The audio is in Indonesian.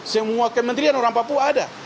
semua kementerian orang papua ada